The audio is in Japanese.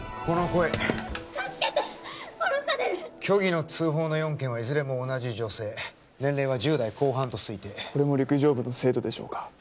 殺される虚偽の通報の４件はいずれも同じ女性年齢は１０代後半と推定これも陸上部の生徒でしょうか？